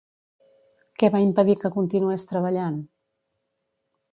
Què va impedir que continués treballant?